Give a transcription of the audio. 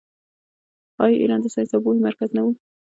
آیا ایران د ساینس او پوهې مرکز نه و؟